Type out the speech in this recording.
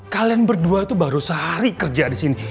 kalian berdua itu baru sehari kerja di sini